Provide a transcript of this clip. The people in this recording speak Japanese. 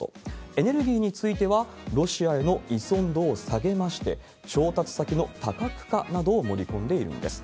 エネルギーについては、ロシアへの依存度を下げまして、調達先の多角化などを盛り込んでいるんです。